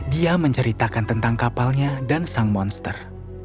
dia menceritakan tentang kapalnya dan sang monster